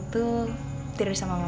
tiara kau ada di samping mama